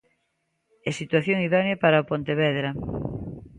E situación idónea para o Pontevedra.